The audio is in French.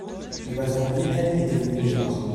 Le patron lui-même était venu les voir.